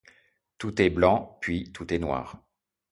Tout est blanc, puis tout est noir.